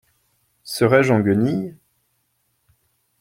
Serais-je en guenilles ?